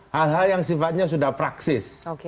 hal hal yang sifatnya sudah praksis